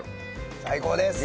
最高です！